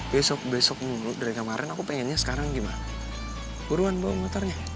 besok besok dari kemarin aku pengennya sekarang gimana buruan bawa motornya